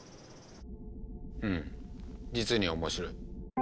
ふむ実に面白い。